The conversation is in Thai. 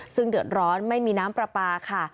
ซึ่งเดือดร้อนไม่มีน้ำปลาปลาค่ะ